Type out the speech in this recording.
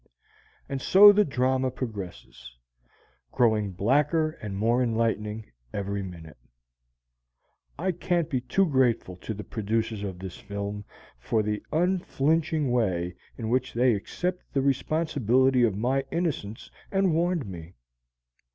And so the drama progresses, growing blacker and more enlightening every minute. I can't be too grateful to the producers of this film for the unflinching way in which they accepted the responsibility of my innocence and warned me.